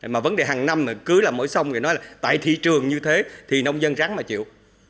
mà vấn đề hàng năm cứ là mỗi sông người nói là tại thị trường như thế thì nông dân rắn mà chịu